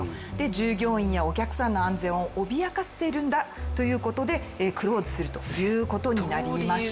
従業員やお客さんの安全を脅かしてるんだということでクローズするということになりました。